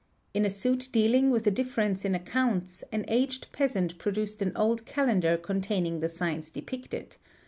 In a suit dealing with a difference in accounts an aged 4 peasant produced an old calendar containing the signs depicted.